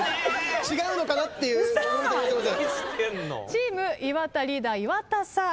チーム岩田リーダー岩田さん。